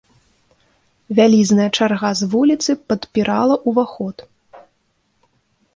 Вялізная чарга з вуліцы падпірала ўваход.